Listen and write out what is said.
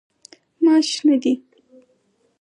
ماش شنه دي.